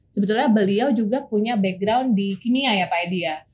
sebetulnya beliau juga punya background di kimia ya pak edi ya